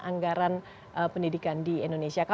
anggaran pendidikan di indonesia